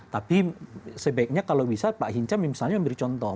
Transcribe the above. tapi sebaiknya kalau bisa pak hinca misalnya memberi contoh